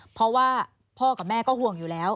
เพราะว่าพ่อกับแม่ก็ห่วงอยู่แล้ว